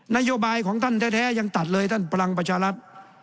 นโยบายของท่านแท้ยังตัดเลยท่านพลังประชารัฐ